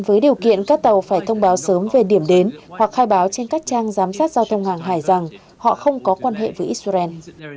với điều kiện các tàu phải thông báo sớm về điểm đến hoặc khai báo trên các trang giám sát giao thông hàng hải rằng họ không có quan hệ với israel